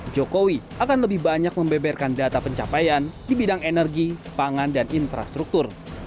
jokowi akan lebih banyak membeberkan data pencapaian di bidang energi pangan dan infrastruktur